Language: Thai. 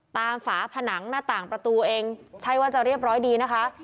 ฝาผนังหน้าต่างประตูเองใช่ว่าจะเรียบร้อยดีนะคะ